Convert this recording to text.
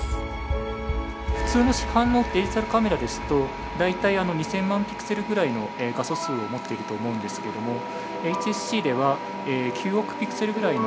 普通の市販のデジタルカメラですと大体２，０００万ピクセルぐらいの画素数を持っていると思うんですけれどもＨＳＣでは９億ピクセルぐらいの画素数を持っています。